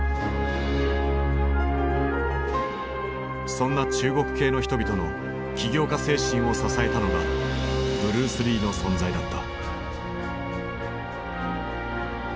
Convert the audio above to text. そんな中国系の人々の起業家精神を支えたのがブルース・リーの存在だった。